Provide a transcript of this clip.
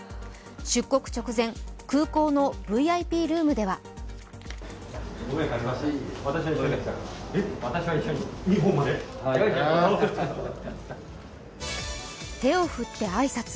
出国直前、空港のＶＩＰルームでは手を振って挨拶。